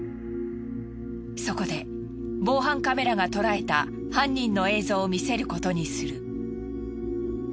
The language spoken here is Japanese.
そこで防犯カメラが捉えた犯人の映像を見せることにする。